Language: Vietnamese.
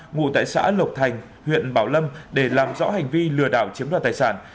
ngụ tại xã lộc thành huyện bảo lâm để làm rõ hành vi lừa đảo chiếm đoạt tài sản